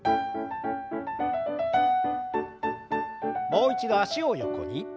もう一度脚を横に。